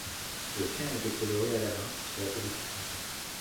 Le chien a été coloré à la main sur la pellicule.